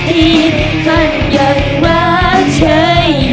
ที่จะการความลับ